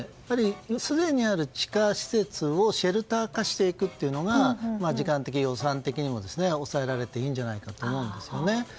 すでにある地下施設をシェルター化していくことが時間的、不安的にも抑えられていいんじゃないかと思うんですよね。